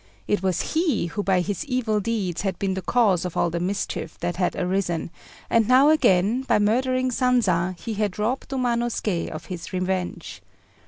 It was he who by his evil deeds had been the cause of all the mischief that had arisen, and now again, by murdering Sanza, he had robbed Umanosuké of his revenge.